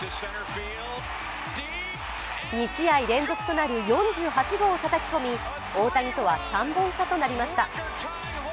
２試合連続となる４８号をたたき込み、大谷とは３本差となりました。